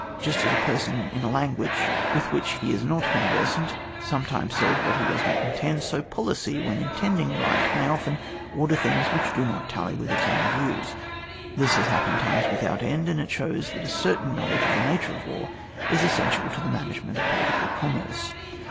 Just as a person in a lan guage with which he is not conversant sometimes says what he does not intend, BO policy, when intending right, may often order things which do not tally with its own views. This has happened times without end, and it shows that a certain knowledge of the nature of war is essential to the management of political commerce.